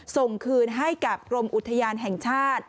ส่งคืนให้กับกรมอุทยานแห่งชาติ